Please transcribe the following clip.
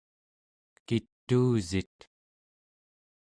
kituusit?